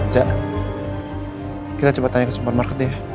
cak kita coba tanya ke supermarket ya